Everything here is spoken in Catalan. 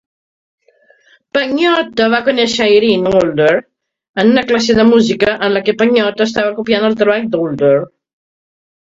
Pagnotta va conèixer a Airin Older en una classe de música en la que Pagnotta estava copiant el treball d'Older.